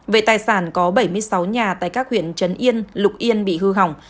về tài sản có bảy mươi sáu nhà tại các huyện trấn yên lục yên bị hư hỏng